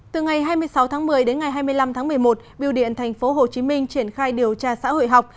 từ ngày hai mươi sáu tháng một mươi đến ngày hai mươi năm tháng một mươi một biêu điện tp hcm triển khai điều tra xã hội học